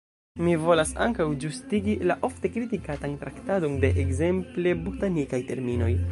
Mi volas ankaŭ ĝustigi la ofte kritikatan traktadon de ekzemple botanikaj terminoj.